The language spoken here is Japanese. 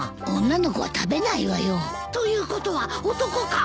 女の子は食べないわよ。ということは男か。